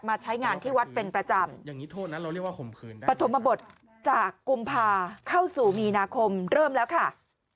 การใช้งานวัดเป็นประจำปธมบทประทดจากกุมภาษณ์เข้าสู่มีนาคมเริ่มแล้วค่า